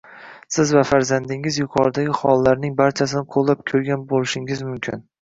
Siz va farzandingiz yuqoridagi hollarning barchasini qo‘llab ko‘rgan bo‘lishingiz mumkin.